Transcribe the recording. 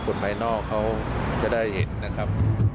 คนภายนอกเขาจะได้เห็นนะครับ